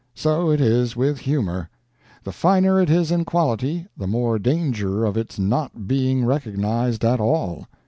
So it is with humor. The finer it is in quality, the more danger of its not being recognized at all.